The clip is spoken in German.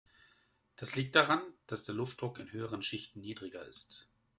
Das liegt daran, dass der Luftdruck in höheren Schichten niedriger ist.